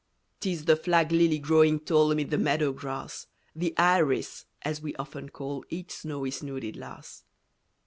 'Tis the flag lily growing tall Amid the meadow grass; The Iris, as we often call Each snowy snooded lass.